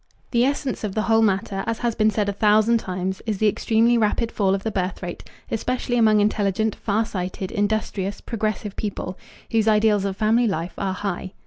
The essence of the whole matter, as has been said a thousand times, is the extremely rapid fall of the birthrate, especially among intelligent, farsighted, industrious, progressive people whose ideals of family life are high.